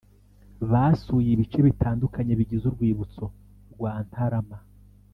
Basuye ibice bitandukanye bigize urwibutso rwa Ntarama